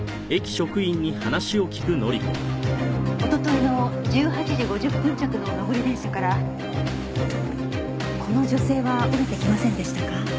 おとといの１８時５０分着の上り電車からこの女性は降りてきませんでしたか？